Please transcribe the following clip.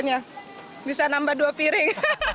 ikan cere goreng ini pas dinikmati dengan air tawar